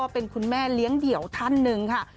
เป็นคุณแม่เลี้ยงเดี่ยวท่านหนึ่งค่ะ